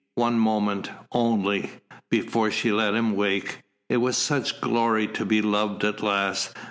One moment, only, before she let him wake it was such glory to be loved at last!